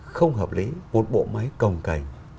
không hợp lý một bộ máy cồng cảnh